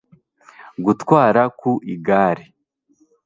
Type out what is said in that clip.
gutwara ku igare